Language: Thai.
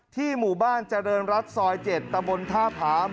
หมู่บ้านเจริญรัฐซอย๗ตะบนท่าผาม